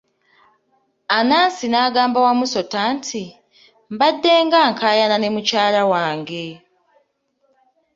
Anansi n'agamba Wamusota nti, mbadde nga nkayaana ne mukyala wange .